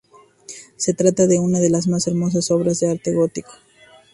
Se trata de una de las más hermosas obras del arte gótico.